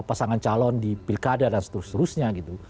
pasangan calon di pilkada dan seterusnya gitu